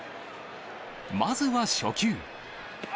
まずは初球。